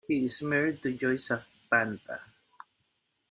He is married to Joy Zapanta.